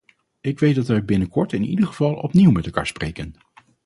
Ik weet dat wij binnenkort in ieder geval opnieuw met elkaar spreken.